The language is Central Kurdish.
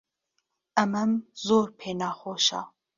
ئەمەم زۆر پێ ناخۆشە.